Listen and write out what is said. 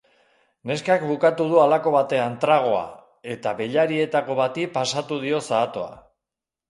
Neskak bukatu du halako batean tragoa, eta beilarietako bati pasatu dio zahatoa.